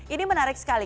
ini menarik sekali